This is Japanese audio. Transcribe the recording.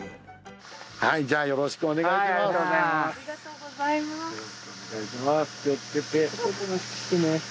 はいじゃあよろしくお願いします。